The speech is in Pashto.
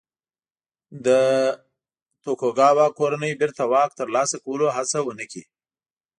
د توکوګاوا کورنۍ بېرته واک ترلاسه کولو هڅه ونه کړي.